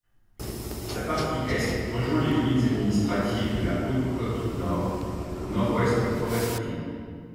Sa partie Est rejoint les limites administratives de la Haute-Côte-Nord, au Nord-Ouest de Forestville.